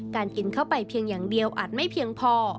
กินเข้าไปเพียงอย่างเดียวอาจไม่เพียงพอ